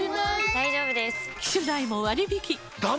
大丈夫です！